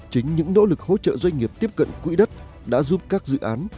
chính những nỗ lực hỗ trợ doanh nghiệp tiếp cận quỹ đất đã giúp các dự án